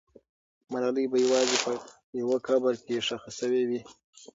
ملالۍ به یوازې په یو قبر کې ښخ سوې وي.